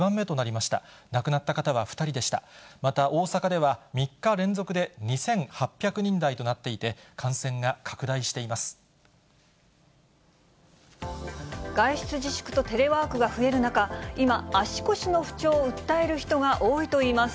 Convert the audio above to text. また、大阪では３日連続で２８００人台となっていて、感染が拡大してい外出自粛とテレワークが増える中、今、足腰の不調を訴える人が多いといいます。